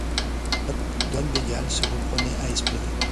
Don Végal se reprenait à espérer.